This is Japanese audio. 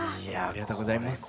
ありがとうございます。